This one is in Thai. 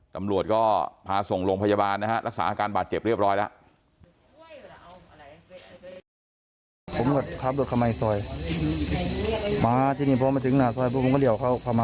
ตำรวจก็พาส่งโรงพยาบาลนะฮะรักษาอาการบาดเจ็บเรียบร้อยแล้ว